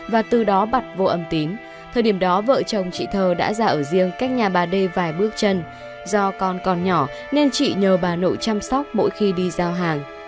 và từ đó bật vô âm tín thời điểm đó vợ chồng chị thơ đã ra ở riêng cách nhà bà d vài bước chân do con còn nhỏ nên chị nhờ bà nội chăm sóc mỗi khi đi giao hàng